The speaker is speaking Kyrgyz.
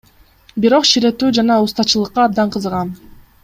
Бирок ширетүү жана устачылыкка абдан кызыгам.